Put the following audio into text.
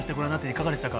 いかがでしたか？